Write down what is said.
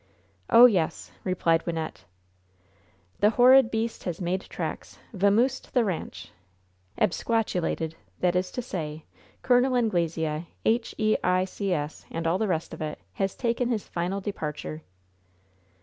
"Oh, yes!" replied Wynnette. "The horrid beat has made tracks vamoosed the ranche absquatulated that is to say, Col Anglesea, H.E.I.C.S., and all the rest of it, has taken his final departure."